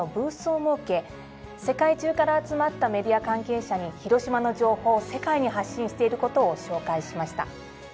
世界中から集まったメディア関係者に広島の情報を世界に発信していることを紹介しました。